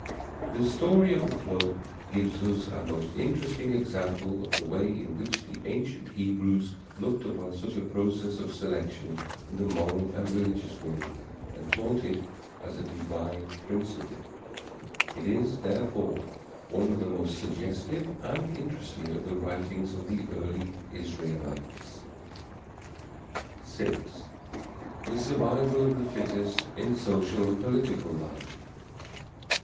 The story of the flood gives us a most interesting example of the way in which the ancient Hebrews looked upon such a process of selection in the moral and religious world and taught it as a divine principle. It is, therefore, one of the most suggestive and interesting of the writings of the early Israelites. VI. THE SURVIVAL OF THE FITTEST IN SOCIAL AND POLITICAL LIFE.